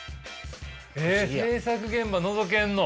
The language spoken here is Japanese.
えっ制作現場のぞけんの？